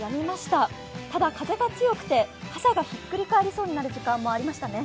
ただ、風が強くて傘がひっくり返りそうになる時間もありましたね。